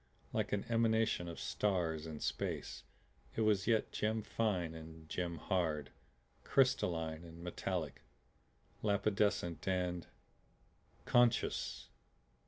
Like an emanation of stars and space, it was yet gem fine and gem hard, crystalline and metallic, lapidescent and Conscious!